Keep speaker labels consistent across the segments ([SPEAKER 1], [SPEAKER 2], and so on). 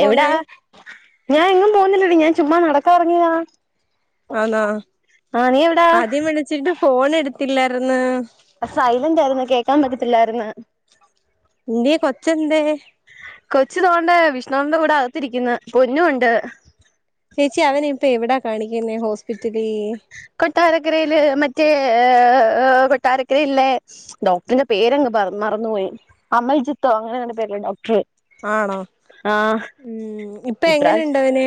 [SPEAKER 1] എവിടാ? ഞാനെങ്ങും പോന്നില്ലടീ. ഞാൻ ചുമ്മാ നടക്കാ എറങ്ങിയതാ.
[SPEAKER 2] ആന്നാ?
[SPEAKER 1] എവിടാ
[SPEAKER 2] ആദ്യം വിളിച്ചിട്ട് ഫോൺ എടുത്ത് ത്തില്ലാർന്ന്.
[SPEAKER 1] സൈലന്റായിര്ന്ന്. കേക്കാൻ പറ്റത്തില്ലായിര്ന്ന്.
[SPEAKER 2] എന്ത്യേ? കൊച്ചന്തേ?
[SPEAKER 1] കൊച്ച് ദോണ്ടേ വിഷ്ണുവേട്ടന്റെ കൂടെ അകത്തിരിക്ക്ന്ന്. പൊന്നു ഇണ്ട്.
[SPEAKER 2] ഏച്ചി അവനെ ഇപ്പ എവിടാ കാണിക്ക്ന്നേ ഹോസ്പിറ്റലി
[SPEAKER 1] കൊട്ടാരക്കരയില് മറ്റേ ഏഹ് ഈഹ് കൊട്ടാരക്കര ഇള്ളേ, ഡോക്ടറിന്റെ പേരങ്ങ് പറ മറന്ന്പോയി. അമൽജിത്തോ അങ്ങനെങ്ങാണ്ട് പേരുള്ള ഡോക്ടറേ
[SPEAKER 2] ആണോ? ഉം. ഇപ് ഇപ്പ എങ്ങനെണ്ട് അവന്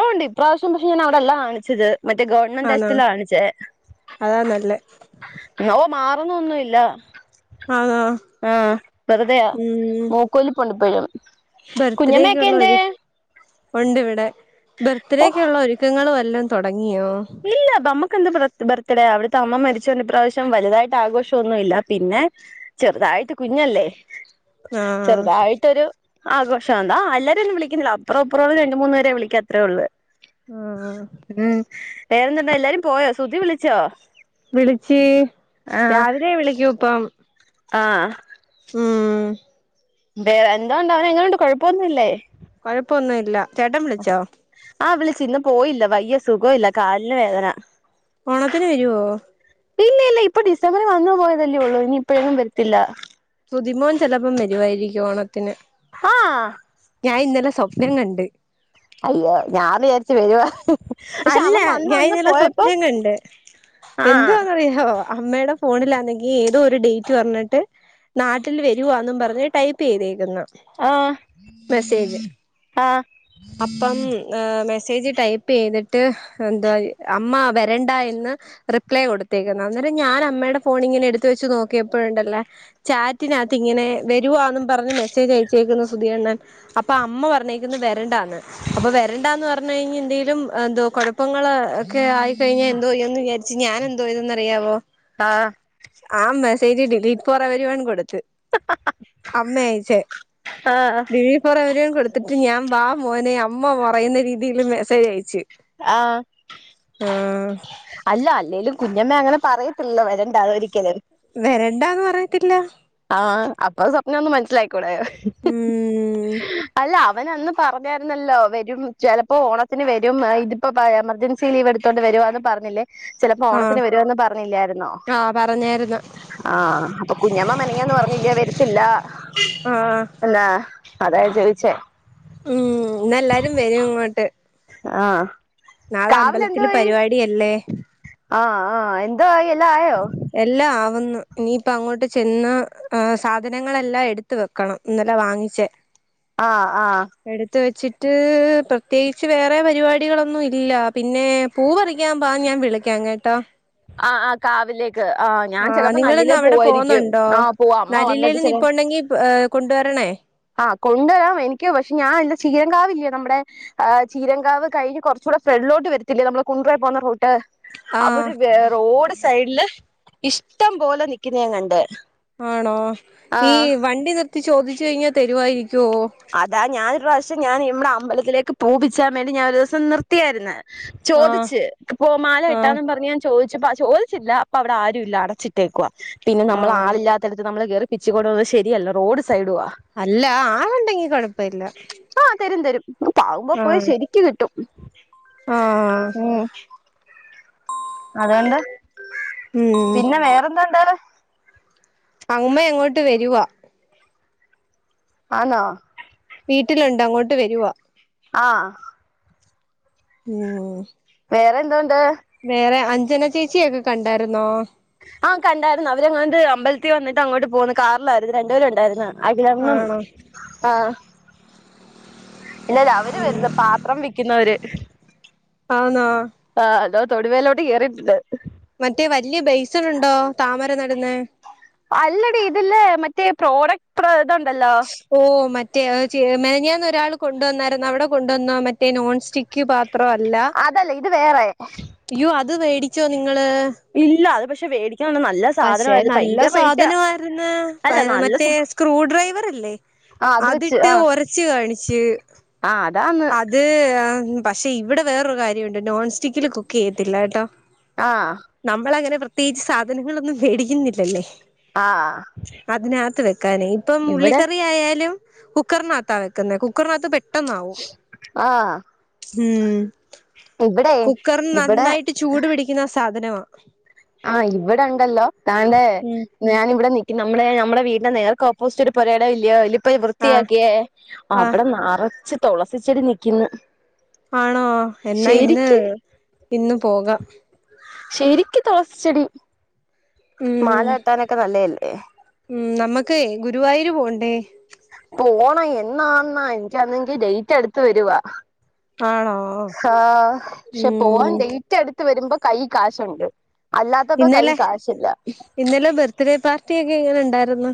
[SPEAKER 1] ഇപ്പോണ്ട്. ഇപ്രാവശ്യം പക്ഷെ ഞാൻ അവിടെല്ലാ കാണിച്ചത്. മറ്റേ ഗവൺമെന്റ്
[SPEAKER 2] ആന്നോ
[SPEAKER 1] ആശൂത്രീലാ കാണിച്ചേ.
[SPEAKER 2] അതാ നല്ലെ
[SPEAKER 1] നോ മാറുന്നൊന്നുല്ല
[SPEAKER 2] ആന്നോ
[SPEAKER 1] ആഹ് വെറുതെയാ.
[SPEAKER 2] ഉം
[SPEAKER 1] മൂക്കൊലിപ്പ്ണ്ടിപ്പഴും. കുഞ്ഞ മേക്കന്ത്
[SPEAKER 2] കൊണ്ട് വിടെ
[SPEAKER 1] ഓ
[SPEAKER 2] ബർത്ത്ഡേക്ക്ള്ളെ ഒരുക്കങ്ങള് എല്ലാ തൊടങ്ങി
[SPEAKER 1] ഇല്ല ബമ്മക്കെന്ത് ബ്ര ബെർ ത്തിടെ അവിടുത്തെ അമ്മ മരിച്ചോണ്ട് ഇപ്രാവശ്യം വലുതായിട്ട് ആഘോഷൊന്നുല്ല പിന്നെ ചെറുതായിട്ട് കുഞ്ഞല്ലേ
[SPEAKER 2] ആഹ്
[SPEAKER 1] ചെറുതായിട്ടൊരു ആഘോഷം അധ അല്ലാരൊന്നു വിളിക്കിന്ന്ല്ല അപ്പറ ഇപ്പറുവെ രണ്ട് മൂന്ന് പെരെ വിളിക്കാ അത്രേ ഒള്ളു
[SPEAKER 2] ആഹ്
[SPEAKER 1] വേറെന്തുണ്ട് എല്ലാരും പോയോ സുതി വിളിച്ചോ?
[SPEAKER 2] വിളിച്ച്.
[SPEAKER 1] ആഹ്
[SPEAKER 2] രാവിലെ വിളിക്കൂപ്പം
[SPEAKER 1] ആഹ്
[SPEAKER 2] ഉം
[SPEAKER 1] വേറെ എന്താ ഉണ്ട് അവന് എങ്ങനെയുണ്ട് കൊഴപ്പമൊന്നുംല്ലേ
[SPEAKER 2] കുഴപ്പൊന്നു ഇല്ല ചേട്ടൻ വിളിച്ചോ
[SPEAKER 1] ചിന്ന് ഇന്ന് പോയില്ല വയ്യ സുഖം ഇല്ല കാലിന് വേദന
[SPEAKER 2] ഓണത്തിന് വരുവോ
[SPEAKER 1] ഇല്ല ഇല്ല ഇപ്പൊ ഡിസംബറി വന്നു പോയതല്ലേ ഒള്ളൂ ഇനി ഇപ്പോഴൊന്നും വരത്തില്ല
[SPEAKER 2] സുതിമോൻ ചിലപ്പോം വരുവായിരിക്കും ഓണത്തിന്
[SPEAKER 1] ആഹ്
[SPEAKER 2] ഞാൻ ഇന്നലെ സ്വപ്നം കണ്ട്
[SPEAKER 1] അയ്യോ ഞാന്ന് വിചാരിച്ചു വരുവാ പക്ഷെ
[SPEAKER 2] അല്ല
[SPEAKER 1] അവൻ വന്ന്
[SPEAKER 2] ഞാൻ
[SPEAKER 1] വന്ന്
[SPEAKER 2] ഇന്നലെ
[SPEAKER 1] പോയപ്പോ
[SPEAKER 2] സ്വപ്നം കണ്ട്
[SPEAKER 1] ആഹ്
[SPEAKER 2] എന്തോന്നറിയോ അമ്മയുടെ ഫോണിലാണെങ്കിൽ ഏതോ ഒരു ഡേറ്റ് പറഞ്ഞിട്ട് നാട്ടിൽ വരുവാെന്നും പറഞ്ഞ് ടൈപ്പ് ചെയ്തേക്കുന്നു
[SPEAKER 1] ആഹ്
[SPEAKER 2] മെസേജ്
[SPEAKER 1] ആഹ്
[SPEAKER 2] അപ്പം മെസ്സേജ് ടൈപ്പ് ചെയ്തി ട്ട് എന്താ അമ്മ വരണ്ട എന്ന് റിപ്ലൈ കൊടുത്തേക്കുന്ന അന്നേരം ഞാൻ അമ്മയുടെ ഫോൺ ഇങ്ങനെ എടുത്ത വെച്ച് നോക്കിയപ്പോഴുണ്ടല്ലേ ചാറ്റിനകത്ത് ഇങ്ങനെ വരുവാന്ന് പറഞ് മെസ്സേജ് അയച്ചേക്കുന്നു സുധി അണ്ണൻ അപ്പൊ അമ്മ പറഞ്ഞേക്കുന്നത് വരണ്ട അപ്പൊ വരണ്ടന്ന് പറ പറഞ്ഞു കഴിഞ്ഞാൽ എന്തേലും എ തോ കുഴപ്പങ്ങള് ഒക്കെ ആയിക്കഴിഞ്ഞാൽ എന്തോ ചെയ്യും എന്ന് വിചാരിച്ച് ഞാൻ എന്തോ ചെയ്‌തന്നു അറിയാവോ
[SPEAKER 1] ആഹ്
[SPEAKER 2] ആ message delete for everyone കൊടുത്തു ട്ട് അമ്മയയച്ച
[SPEAKER 1] ആഹ്
[SPEAKER 2] ഡിലീറ്റ് ഫോർ എവരി എടുത്തിട്ട് ഞാൻ വാ മോനെ അമ്മ പറയുന്ന രീതിയില് മെസ്സേജ് അയച്ച്
[SPEAKER 1] ആഹ്
[SPEAKER 2] ആഹ്
[SPEAKER 1] അല്ല അല്ലേലും കുഞ്ഞമ്മേ അങ്ങനെ പറയത്തില്ല വരണ്ട [unintelligible] ഒരിക്കലും
[SPEAKER 2] വരണ്ടാന്ന് പറയത്തില്ല
[SPEAKER 1] ആഹ്അപ്പൊ സ്വപ്നന്ന് മനസ്സിലായി ക്കൂടെ
[SPEAKER 2] ഉം
[SPEAKER 1] അല്ല അവനന്ന് പറഞ്ഞരുന്നല്ലോ വരും ചിലപ്പോൾ ഓണത്തിന് വരും ഇതിപ്പോൾ എമർജൻസി ലീവ് എടുത്തുകൊണ്ട് വരുവന്ന് പറഞ്ഞില്ലേ ചിലപ്പോ
[SPEAKER 2] ആഹ്
[SPEAKER 1] ഓണത്തിന് വരുമന്ന് പറഞ്ഞില്ലായിന്നോ
[SPEAKER 2] ആഹ് പറഞ്ഞായിരുന്നു
[SPEAKER 1] ആഹ അപ്പൊ കുഞ്ഞമ്മ അന്ന് പറഞ്ഞില്ല വരത്തില്ല
[SPEAKER 2] ആഹ്
[SPEAKER 1] എന്നന്താ അതായ ചോദിച്ചേ
[SPEAKER 2] ഉം എല്ലാരും വരും ഇങ്ങോട്ട്
[SPEAKER 1] ആഹ
[SPEAKER 2] നാളെ അമ്പലത്തി പരിപാടി അല്ലേ
[SPEAKER 1] ആഹ് ആ് എന്താ ഇല്ല ആോ
[SPEAKER 2] ന്നു ഇനിയിപ്പ അങ്ങോട്ട് ചെന്ന് സാധനങ്ങളെല്ലാം എടുത്ത വെക്കണം ഇന്നല്ല വാങ്ങിച്ചേ
[SPEAKER 1] ആഹ ആഹ
[SPEAKER 2] മ പ്രത്യേകിച്ച് വേറെ പരിപാടികളൊന്നും ഇല്ല പിന്നെ പൂ പററിക്കാൻമ്പാ ഞാൻ വിളക്കാംങ്ങ കേട്ടാ
[SPEAKER 1] ആ് ആ് കാവിലേ
[SPEAKER 2] ആ നിങ്ങ ഇന്ന് അവിടെ പോുന്നുണ്ടോ
[SPEAKER 1] ആ പോവാ അമ്മ വന്നിട്ട്
[SPEAKER 2] നല്ലില്ലയിൽന്ന് ഇപ്പ ഉണ്ടെങ്കി ഏ കൊണ്ടുവരണേ
[SPEAKER 1] ആഹ കൊണ്ടുവരാം എനിക്ക് പക്ഷെ ഞാാനല്ല ചീരംകാവില്ലേ നമ്മുടെ ചീരങ്കകാവ് കഴിഞ്ഞ് കുറച്ചുകൂടെ ഫ്രെഡിലോട്ട് വരത്തില്ലേ നമ്മള് കുണ്ടറോ പോകുന്ന റോട്ട്
[SPEAKER 2] ആഹ്
[SPEAKER 1] അവിടെ വേറെ ഓട് സൈഡില് ഇഷ്ടം പോലെ നിക്കുന്ന കണ്ട്
[SPEAKER 2] ആണോ
[SPEAKER 1] ആ
[SPEAKER 2] ഈ വണ്ടി നി ചോദിച്ച കഴിഞ്ഞാൽ തരുവായിരിക്കും
[SPEAKER 1] അതാ ഞാൻ പ്രാവശ്യം ഞൻ ഇവിടെ അമ്പലത്തിലേക്ക് പൂപിച്ചാൻ വേണ്ടി ഞാന ഒരുിവസം നിർത്തിയായിരേ
[SPEAKER 2] ആഹ്
[SPEAKER 1] ചോദിച്ചു ഇപ്പോ മാല
[SPEAKER 2] ആഹ്
[SPEAKER 1] ഇട്ടാെന്നും പറഞ്ഞ് ഞാൻ ചോദിച്ചു ച ചോദിച്ചില്ല അപ്പൊ അവിടെ ആരുും ഇല്ല അടച്ചിട്ടേക്കുവ പിന്നെ നമ്മൾ
[SPEAKER 2] ആഹ്
[SPEAKER 1] ആളില്ലാത്തടത്ത് നമ്മള് കയറി പിച്ചച്ചുടന്നന്ന് ശരിയല്ല റോഡ
[SPEAKER 2] അല്ല ആ കണ്ടെങ്കി കുഴപ്പല്ല
[SPEAKER 1] തെഞ്ഞെടുും ഇക്ക്ാവുമ്പ പോയി ശരിക്ക കിട്ടും
[SPEAKER 2] ആഹ്
[SPEAKER 1] ഉ ഉം അതൊണ്ട്
[SPEAKER 2] ഉം
[SPEAKER 1] പിന്നെ വേറെന്താന്താല
[SPEAKER 2] അമ്മ അങ്ങോട്ട് വരുവാ
[SPEAKER 1] ആന്നോ
[SPEAKER 2] വീട്ടിലുണ്ട് അങ്ങോട്ട് വരുവാ
[SPEAKER 1] ആഹ
[SPEAKER 2] ഉം
[SPEAKER 1] വേറെ എന്തോണ്ട്
[SPEAKER 2] ജനചേച്ചിയൊക്കെ കണ്ടാരുന്നോ
[SPEAKER 1] ആ കണ്ടാരന്ന് അവരെങ്ങാണ്ട് അമ്പലത്തിൽ വന്നിട്ട് അങ്ങോട്ട് പോകന്ന് കാറിലായിരുന്നു രണ്ടേരുരൊണ്ടാര്ന്ന് അഖിലണനും
[SPEAKER 2] ആണോ
[SPEAKER 1] ആഹ് ഇല്ലലവര് വരുന്ന് പാത്രം വിക്കുന്നോര്
[SPEAKER 2] ആന്നോ
[SPEAKER 1] ആ അതോ തൊടുവേലോട്ട് കേറിട്ട്ണ്ട്
[SPEAKER 2] മറ്റേ വല്യ ബൈസനുണ്ടോ താമരനടന്നെ
[SPEAKER 1] അല്ല ഡി ഇതില്ലേ മറ്റേ പ്രോഡക്റ്റ് പ്ര ഇത്
[SPEAKER 2] ഓ മറ്റേ ചെ മെനിഞ്ഞാന്ന് ഒരാള് കൊണ്ടുവന്നായിരുന്ന അവിടെ കൊണ്ടുവന്ന മറ്റേ നോൺ സ്റ്റിക്ക്പാ
[SPEAKER 1] അതല്ല ഇത് വേറെ
[SPEAKER 2] ത് മേടിച്ചോ നിങ്-
[SPEAKER 1] ഇല്ല അത് പക്ഷ- വേടി
[SPEAKER 2] പഷെ നല്ല സാധനവാര്ന്ന്
[SPEAKER 1] അല്ല
[SPEAKER 2] പ
[SPEAKER 1] നല്ല
[SPEAKER 2] മറ്റേ
[SPEAKER 1] സ
[SPEAKER 2] സ്ക്രൂ ഡ്രൈവറില്ലേ
[SPEAKER 1] ആ അത് വെച്ച്
[SPEAKER 2] അതിട്ട്
[SPEAKER 1] ആ
[SPEAKER 2] ഒരച്ച് കാണിച്ച്
[SPEAKER 1] ആ അതാന്ന്
[SPEAKER 2] അത് പഷെ ഇവിടെ വേറൊരു കാര്യവൊണ്ട് നോൺസ്റ്റിക്കില് കുക്ക് ചെയ്യത്തില്ല കേട്ടോ
[SPEAKER 1] ആ
[SPEAKER 2] നമ്മളങ്ങനെ പ്ര ത്യേകിച്ച് സാധനങ്ങളൊന്നും മേടിക്കുന്നില്ലല്ലേ
[SPEAKER 1] ആ
[SPEAKER 2] അതിനകത്ത് വെക്കാനെ ഇപ്പം
[SPEAKER 1] ഇവിടെ
[SPEAKER 2] ഉള്ളിക്കറിയായാലും കുക്കറിനാത്താ വെക്കുന്നെ കുക്കറിനകത്ത് പെ- ട്ടെന്നാവും
[SPEAKER 1] ആഹ്
[SPEAKER 2] ഉം
[SPEAKER 1] ഇവിടെ
[SPEAKER 2] കുക്കറിന്
[SPEAKER 1] ഇവിടെ
[SPEAKER 2] നന്നായിട്ട് ചൂട് പിടിക്കുന്നാ സ് സാധനവ
[SPEAKER 1] ആഹ് ഇവിടൊണ്ടല്ലോ ന്താണ്ടെ
[SPEAKER 2] ഉം
[SPEAKER 1] ഞാനിവിടെ നി നമ്മടെ നമ്മടെ വീടിന്റെ നേർക്ക് ഓപ്പോസിറ്റ് ഒരു പൊരയിടം ഇല്ലയോ അല് ഇപ്പ
[SPEAKER 2] ആഹ്
[SPEAKER 1] വൃത്തിയാക്കിയേ
[SPEAKER 2] ആഹ്
[SPEAKER 1] അവിടെന്നറച്ച് തൊളസിച്ചെടി നിക്ക്ന്ന്
[SPEAKER 2] ആണോ എന്നാ ഇന്ന്
[SPEAKER 1] ശരിക്ക്
[SPEAKER 2] ഇന്ന് പോകാം
[SPEAKER 1] ശരിക്ക് തൊളസിച്ചെടി മാല
[SPEAKER 2] ഉം
[SPEAKER 1] കെട്ടാനൊക്കെ നല്ലല്ലേ
[SPEAKER 2] നമ്മക്കെ ഗുരുവായൂര് പോണ്ടേ
[SPEAKER 1] പോണം എന്നാന്നാ എനിക്കാണെങ്കി ഡേറ്റ് അടുത്ത് വരുവാ
[SPEAKER 2] ആണോ
[SPEAKER 1] ആഹ് പക്ഷെ പോവാൻ
[SPEAKER 2] ഉം
[SPEAKER 1] ഡേറ്റ് എടു ത്ത് വരുമ്പോ കൈ കാശുണ്ട് അല്ലാത്തപ്പോ കൈ
[SPEAKER 2] ഇന്നലെ
[SPEAKER 1] കാശില്ല
[SPEAKER 2] ഇന്നലെ ബർത്ത്ഡേ പാർട്ടി എങ്ങനെ ഉണ്ടായിരുന്നു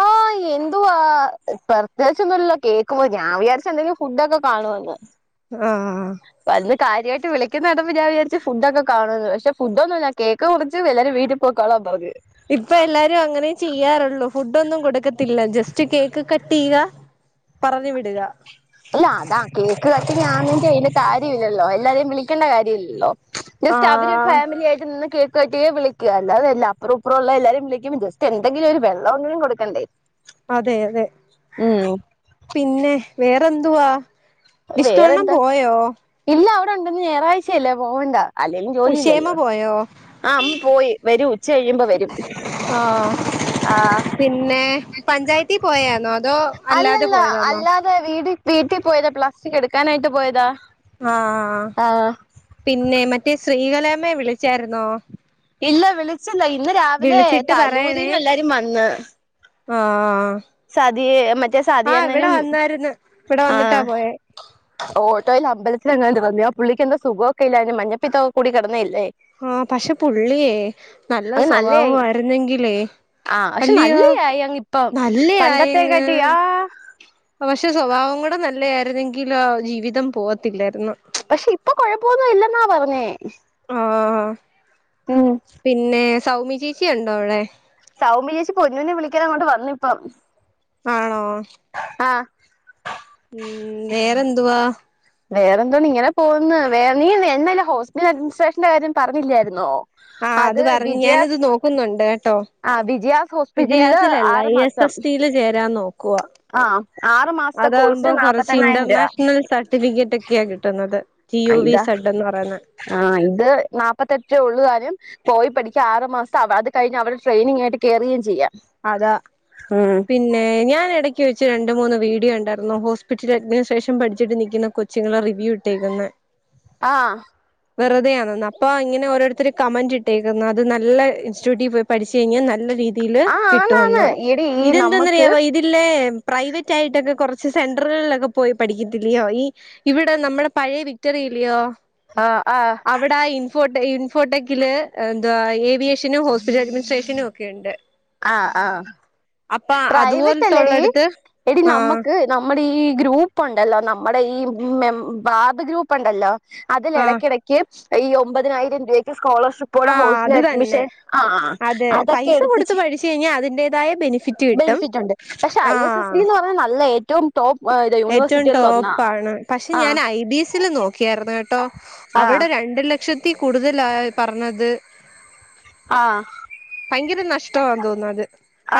[SPEAKER 1] ആഹ് എന്തുവാ പ്രത്യകിച്ചൊന്നുമല്ലോ കേൾക്കുമ്പോ ഞാൻ വിചാരിച്ച എന്തെങ്കിലും ഫുഡൊക്കെ കാണുമന്ന്
[SPEAKER 2] ആഹ്
[SPEAKER 1] കാര്യമായിട്ട് വിളിക്കുന്ന കണ്ടപ്പം ഞൻ വിചാരിച്ച് ഫുഡൊക്കെ കാണുന്നു പക്ഷെ ഫുഡൊന്നല്ല കേക്ക് മുറിച്ച് വരും വീട്ടിൽ പോക്കളാൻ പറഞ്ഞു
[SPEAKER 2] ഇപ്പൊ എല്ലാരും അങ്ങനെ ചെയ്യാറുള്ളൂ ഫുഡ് ഒന്നും കൊടുക്കത്തില്ല ജസ്റ്റ് റ്റ് കേക്ക് കട്ട് ചെയ്യുക പറഞ്ഞു വിടുക
[SPEAKER 1] അല്ല അതാ കേക്ക് കട്ടിങ് ആണെങ്കിൽ അതിന്റെ കാര്യം ഇല്ലല്ലോ എല്ലാരെയും വിളിക്കേണ്ട കാര്യം ഇല്ലല്ലോ ജസ്റ്റ് അവര്
[SPEAKER 2] ആഹ്
[SPEAKER 1] ഫാമിലിയ ആയിട്ട് നിന്ന് കേ കെട്ടിയെ വിളിക്കുക അല്ലാതെല്ല അപ്പുറപ്പറുള്ള എല്ലാരും വിളിക്കുമ്പോ ജസ്റ്റ് എന്തെങ്കിലും ഒരു വെള്ളം എങ്കിലും കൊടുക്കണ്ടേ
[SPEAKER 2] അതെ അതെ
[SPEAKER 1] ഉം
[SPEAKER 2] പിന്നെ വേറെ ന്തുവാ
[SPEAKER 1] വേറെന്താ ഇല്ല ണ്ട ഞറാഴ്ചയല്ലേ പോകേണ്ട
[SPEAKER 2] ഉഷേമ്മ പോയോ
[SPEAKER 1] അമ്മ പോയി വരും ഉച്ച കഴിയുമ്പോ വരും
[SPEAKER 2] ആഹ്
[SPEAKER 1] ആഹ്
[SPEAKER 2] പിന്നെ പഞ്ചായത്തി പോയന്നോ അതോ അല്ലാതെ
[SPEAKER 1] അല്ലല്ല
[SPEAKER 2] പോയതാന്നോ
[SPEAKER 1] അല്ലാതെ വീട് വീട്ടിൽ പോയത് പ്ലസ് കെടുക്കാനായിട്ട് പോയതാ
[SPEAKER 2] ആഹ്
[SPEAKER 1] ആഹ്
[SPEAKER 2] പിന്നെ മറ്റേ സ്ത്രീകൾ എല്ലമേ വിളിച്ചായിരുന്നോ
[SPEAKER 1] ഇല്ല വിളിച്ച ല്ല ഇന്ന് രാവിലെ
[SPEAKER 2] വിളിച്ചിട്ട് പറയണേ
[SPEAKER 1] തലൂരിന എല്ലാരും വന്ന്
[SPEAKER 2] ആഹ്
[SPEAKER 1] സതിയെ മറ്റേ
[SPEAKER 2] ആഹ് ഇവിടെ
[SPEAKER 1] സതിയണ്ണനും
[SPEAKER 2] വന്നായിരുന്നു ഇവിടെ
[SPEAKER 1] ആ
[SPEAKER 2] വന്നിട്ടാ പോയേ
[SPEAKER 1] ഓട്ടോയിൽ അമ്പലത്തിലങ്ങ പുള്ളിക്കന്താ സുഖമക്കെല്ല അതിന് മഞ്ഞപ്പത്തൊക്ക കൂ കടന്നേല്ലേ
[SPEAKER 2] ആഹ് പക്ഷെ പുള്ളിയേ നല്ല
[SPEAKER 1] അത് നല്ലയായി
[SPEAKER 2] സ്വഭാവമായിരുന്നെങ്കിലേ വല്യ
[SPEAKER 1] പണ്ടത്തെ കടിയാ
[SPEAKER 2] പക്ഷെ സ്വഭാവം കൂടെ നല്ലത ആായിരുന്നെങ്കിലും ആ ജീവിതം പോവത്തില്ലായിരുന്നു
[SPEAKER 1] പക്ഷെ ഇപ്പൊ കൊഴപ്പൊന്നും ഇല്ലെന്നാ പറഞ്ഞേ
[SPEAKER 2] ആഹ്
[SPEAKER 1] ഉം
[SPEAKER 2] പിന്നെ സൗമി ചീച്ചി ഉണ്ടോ അവിടെ
[SPEAKER 1] സൗമി ചേച്ചി പൊന്നുനെ വിളിക്കാ അങ്ങോട്ട് വന്ന ഇപ്പം
[SPEAKER 2] ആണോ ഉ വേറെന്തുവാ
[SPEAKER 1] വേറെ എന്തോണ്ട് ഇങ്ങനെ പോകന്ന് വേറെ നീ എന്നല്ല ഹോസ്റ്റൽ അഡ്മജിനിസ്ട്രേഷന്റെ കാര്യം പറഞ്ഞില്ലായിരുന്നോ
[SPEAKER 2] ആ അത് പറഞ്ഞഞ് ഞാനത് നോക്കുന്നുണ്ട് കേട്ടോ
[SPEAKER 1] ആ വിജയാസ് ഹോസ്പിറ്റലില് ആറു മാസം ആ ആറ് മാസത്തെ
[SPEAKER 2] അതാകുമ്പോ
[SPEAKER 1] കോഴ്സിന്
[SPEAKER 2] കൊറച്ച്
[SPEAKER 1] നാപ്പത്തെണ്ണായിരം രൂപ
[SPEAKER 2] ഇന്റർനാഷണൽ സർട്ടിഫിക്കറ്റ് ഒക്കെയാ കിട്ടുന്നത് ജി
[SPEAKER 1] ആ
[SPEAKER 2] യു വി
[SPEAKER 1] ഇതാ
[SPEAKER 2] സഡ്ന്ന് പറയുന്ന
[SPEAKER 1] ഉള്ളുകാനും പോയി പഠിക്കുക ആറ് മാസം അത് കഴിഞ്ഞ് അവവിടെ ട്രെയിനിങ് ആയിട്ട് കയറുകയും ചെയ്യാം
[SPEAKER 2] അതാ
[SPEAKER 1] ഉം
[SPEAKER 2] പിന്നെ ഞാൻ ഇടക്ക് ച്ച് രണ്ടു മൂന്ന് വീഡിയോ ഉണ്ടായിരുന്നു ഹോസ്പിറ്റലിൽ അഡ്മിനിസ്ട്രേഷൻ പഠിച്ചിട്ട് നൽിക്കുന്ന കൊച്ചുങ്ങളെ റിവ്യൂ ഇട്ടേക്കന്ന്
[SPEAKER 1] ആഹ
[SPEAKER 2] വെറുതെയാണെന്ന് അപ്പോ ഇങ്ങനെ ഓരുത്തരു കമന്റ് ഇട്ടേക്കുന്നത് അത് നല്ല ഇൻസ്റ്റിറ്റ്യൂട്ടിൽ പോയി പഠിച്ച കഴിഞ്ഞാൽ നല്ല രീതി
[SPEAKER 1] ആ
[SPEAKER 2] ത്തിൽ
[SPEAKER 1] ആന്നാന്ന് എടി ഈ
[SPEAKER 2] ഇതന്തന്ന്
[SPEAKER 1] നമ്മക്ക്
[SPEAKER 2] അറിയാമോ ഇതിലേ പ്രൈവറ്റ് ആയിട്ടൊക്കെ കുറച്ച് സെന്ററുകളിലൊക്കെ പോയി പഠിക്കത്തിില്ലയോ ഈ ഇവിടെ നമ്മുടെ പഴയ വിക്ടറില്ലയോ
[SPEAKER 1] ആ ആ
[SPEAKER 2] അവിടെ ഇൻഫോ ഇൻഫോടെക്കില് എന്താ ഏവിയേഷനും ഹോസ്പിറ്റൽ അഡ്മിനിസ്ട്രേഷനും ഒക്കെ ഉണ്ട്
[SPEAKER 1] ആഹ ആഹ
[SPEAKER 2] അപ്പൊ
[SPEAKER 1] പ്രൈവറ്റ് അല്ലടി.
[SPEAKER 2] അതുപോലത്തുള്ളടുത്ത്
[SPEAKER 1] എടി
[SPEAKER 2] ആഹ്
[SPEAKER 1] നമുക്ക് നമ്മുടെ ഈ ഗ്രൂപ്പ് ഉണ്ടല്ലോ നമ്മുടെ ഈ ബാബ ഗ്രൂപ്പ് ഉണ്ടല്ലോ അതല്ല
[SPEAKER 2] ആഹ്
[SPEAKER 1] എടക്കെടക്ക് ഈ ഒമ്പതിനായിരം രൂപയ്ക്ക് സ്കോളർഷിപ്പ
[SPEAKER 2] ആഹ്
[SPEAKER 1] ഹോസ്റ്റ
[SPEAKER 2] അത് തന്നെ
[SPEAKER 1] അഡ്മിഷൻ ആ അതൊക്കെ എടു
[SPEAKER 2] പഠിച്ച കഴിഞ്ഞാൽ അതിന്റേതായ ബെനിഫിറ്റ് കിട്ടും
[SPEAKER 1] ബെനിഫിറ്റ് ഉണ്ട് പക്ഷെ
[SPEAKER 2] ആ
[SPEAKER 1] ഐ എസ് എസ് ബി എന്ന് പറഞ്ഞാൽ നല്ല ഏറ്റവും ടോപ്പ് ഇത്
[SPEAKER 2] ഏറ്റവും
[SPEAKER 1] യൂണിവേഴ്സിറ്റികളിൽ ഒന്നാ
[SPEAKER 2] ടോപ്പ ആണ് പക്ഷെ
[SPEAKER 1] ആ
[SPEAKER 2] ഞാൻ ഐ ബി എസിൽ നോക്കിയരുന്ന
[SPEAKER 1] ആ
[SPEAKER 2] ട്ടോഅവിടെ രണ്ടിലും ക്ഷത്തി കൂടുതൽ ആ പറഞ്ഞത്
[SPEAKER 1] ആ
[SPEAKER 2] ഭയങ്കര നഷ്ടമാ തോന്ന അത്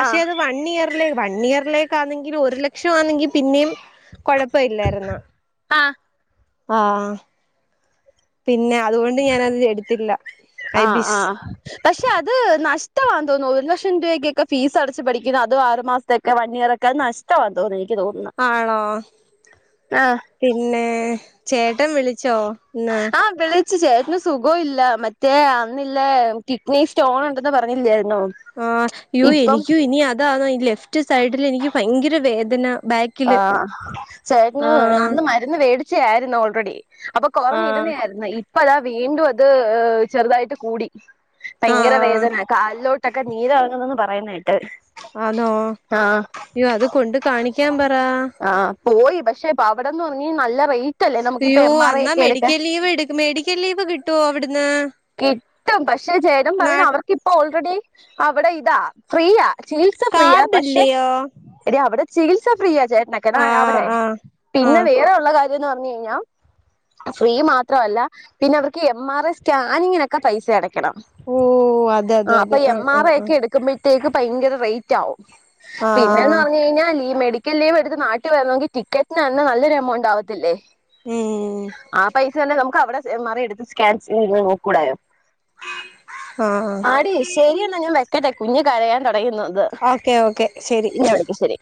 [SPEAKER 1] ആ
[SPEAKER 2] അത് വണ്ടിയറെ വൺ ഇയറിലേക്ക ആണെങ്കിൽ ഒരു ലക്ഷംമാണെങ്കിൽ പിന്നെയും കൊഴപ്പ ഇല്ലായിരുന്നാ
[SPEAKER 1] ആ
[SPEAKER 2] ആഹ പിന്നെ അതുകൊണ്ട് ഞാനത് എടുത്തില്ല ഐ
[SPEAKER 1] ആ ആ
[SPEAKER 2] ബിസ്
[SPEAKER 1] പക്ഷെ അത് നഷ്ടവാൻ തോന്നുന്നു ഒരു ലക്ഷം രൂപയ്ക്കൊക്കെ ഫീസ് അടച്ച് പഠിക്കുന്ന അും ആറു മാസത്തൊക്കെ വൺ ഇയർ ഒക്കെ അത് നഷ്ടവാൻ തോന്നി
[SPEAKER 2] ആണോ
[SPEAKER 1] ആ
[SPEAKER 2] പിന്നെ ചേട്ടൻ ചേട്ടൻ വിളിച്ചോ എന്ന
[SPEAKER 1] ആഹ് വിളിച്ചു ചേട്ടന് സുഖവും ഇല്ല മറ്റേ അന്നില്ല കിഡ്നി സ്റ്റോൺ ഉണ്ടെന്ന് പറഞ്ഞില്ലേ
[SPEAKER 2] ആഹ എനിക്കു ഇനി അത് അതാ ഈ ലെഫ്റ്റ് സൈഡിൽ എനിക്ക് ഭയങ്കര വേദന ബാക്കില്
[SPEAKER 1] ആഹ ചേട്ടന്
[SPEAKER 2] ആ
[SPEAKER 1] അന്ന് മരുന്ന് മേടിച്ചായിരുന്നുോ റെഡി അപ്പൊ
[SPEAKER 2] ആ
[SPEAKER 1] കുറഞ്ഞിരുന്ന ആയിരുന്നു ഈ അപ്പ അതാ വീണ്ടും അത് ചെറുതായിട്ട് കൂടി
[SPEAKER 2] ആ
[SPEAKER 1] ഭയങ്കര വേദന കാലിലോട്ടു ഒക്കെ നീരു ഇറങ്ങുന്നത് പറുയുന്നത് കേട്ടു
[SPEAKER 2] അനോ അത് കൊണ്ട് കാണിക്കാൻ പറ
[SPEAKER 1] ആഹ് പോയി പക്ഷെ അവിടെന്ന് നല്ല റേറ്റ് അല്ലേ നമുക്കിപ്പ
[SPEAKER 2] അയ്യോ
[SPEAKER 1] എം ആർ ഐ
[SPEAKER 2] അന്നാ
[SPEAKER 1] ഒക്കെ എടുക്കാൻ
[SPEAKER 2] മെഡിക്കൽ ലീവ് എടുക്കു മെഡിക്കൽ ലീവ് കിട്ടുവോ അവിടെ
[SPEAKER 1] കിട്ടും പക്ഷെ ജനം
[SPEAKER 2] നാ
[SPEAKER 1] പറയുന്ന അവർക്കിപ്പ ഓൾറെഡി അവിടെ ഇതാ ഫ്രീയ ചികിത്സ ഫ്രീ ആ പക്ഷെ
[SPEAKER 2] കാർഡില്ലയോ
[SPEAKER 1] അവിടെ ചികിത്സ ഫ്രീ ചേട്ടനക്കെ
[SPEAKER 2] ആ
[SPEAKER 1] അവിടെ
[SPEAKER 2] ആ ആ
[SPEAKER 1] പിന്നെ വേറെ ഉള്ള കാര്യ പറഞ്ഞുകഴിഞ്ഞു കഴിഞ്ഞാൽ ഫ്രീ മാത്രല്ല പിന്നെ അവർക്ക് എം ആർ എസ് സ്കാനിങ്ങനെയക്കെ പൈസ അടക്കും
[SPEAKER 2] ഓ അതെ അതെ
[SPEAKER 1] അപ്പൊ
[SPEAKER 2] അതെ ആ
[SPEAKER 1] എം
[SPEAKER 2] ആ
[SPEAKER 1] ആർ ഐ ഒക്കെ എടുക്കുമ്പോഴ അപ്പോഴത്തേക്ക് ഭയങ്കര റേറ്റ് ആകും
[SPEAKER 2] ആ
[SPEAKER 1] പിന്നെന്ന്
[SPEAKER 2] ആ
[SPEAKER 1] പറഞ്ഞു കഴിഞു കഴിഞ്ഞാൽ ഈ മെ മെഡിക്കൽ ലീവ് എടുത്ത് നാട്ടിൽ വരണമെങ്കിൽ ടിക്കറ്റ് തന്നെ നല്ലൊരു എമൗണ്ട് ആവത്തില്ലേ
[SPEAKER 2] ഉം
[SPEAKER 1] ആ പൈസ തന്നെ നമുക്ക് അവിടെ എം ആർ ഐ എടുത്ത് സ്കാൻ നോക്കിക്കോടയോ
[SPEAKER 2] ആഹ്
[SPEAKER 1] ആടി ശരിയെന്ന ഞാൻ വ കേട്ടെ കുഞ്ഞഞ് കരയണ്ടോ യുന്നത്
[SPEAKER 2] ഓക്കെ ഓക്കെ ശരി
[SPEAKER 1] ഇന്നവിടക്ക് ശരി